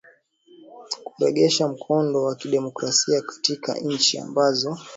kurengesha mkondo wa kidemokrasia katika nchi ambazo